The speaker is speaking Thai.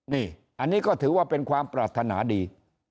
นี่อันนี้ก็ถือว่าเป็นความปรารถนาดี